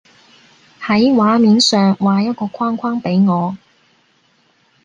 喺畫面上畫一個框框畀我